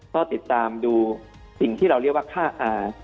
ก็ติดตามดูสิ่งที่เราเรียกว่าค่าอ่า